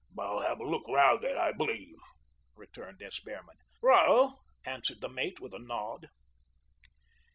"I'll have a look 'round, I believe," returned S. Behrman. "Right oh," answered the mate with a nod.